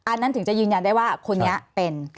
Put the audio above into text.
อันนั้นถึงจะยืนยันได้ว่าคนนี้เป็น